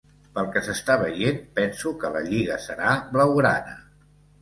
Pel que s'està veient, penso que la lliga serà blaugrana.